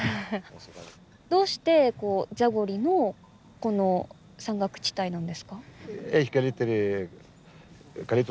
どうしてザゴリのこの山岳地帯なんですか？